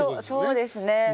まあそうですね。